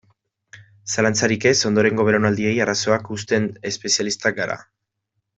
Zalantzarik ez, ondorengo belaunaldiei arazoak uzten espezialistak gara.